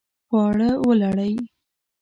خواړه ولړئ